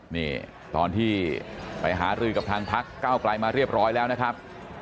นี่ตอนที่ไปหารือกับทางพักเก้าไกลมาเรียบร้อยแล้วนะครับ